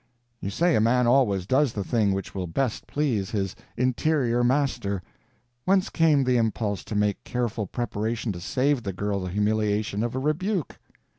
You say a man always does the thing which will best please his Interior Master. Whence came the impulse to make careful preparation to save the girl the humiliation of a rebuke?